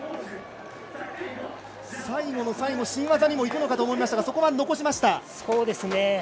最後の最後新技にも挑むかと思いましたがそこは残しました。